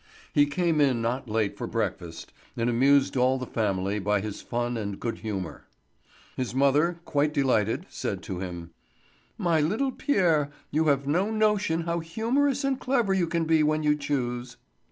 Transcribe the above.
He came in not late for breakfast, and amused all the family by his fun and good humour. His mother, quite delighted, said to him: "My little Pierre, you have no notion how humorous and clever you can be when you choose."